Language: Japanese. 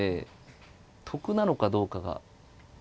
得なのかどうかが。